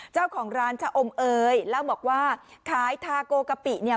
เจ้าของร้านชะอมเอยเล่าบอกว่าขายทาโกกะปิเนี่ย